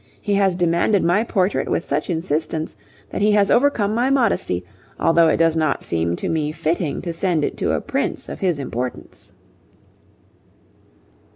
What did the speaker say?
He has demanded my portrait with such insistence that he has overcome my modesty, although it does not seem to me fitting to send it to a Prince of his importance.'